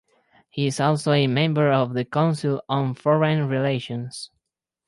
He is also a member of the Council on Foreign Relations.